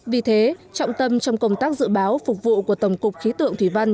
vì thế trọng tâm trong công tác dự báo phục vụ của tổng cục khí tượng thủy văn